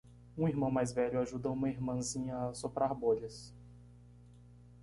Um irmão mais velho ajuda uma irmãzinha a soprar bolhas.